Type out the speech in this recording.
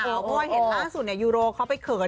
โรปอวยเห็นล่าสุดโรปอวยไปเขิน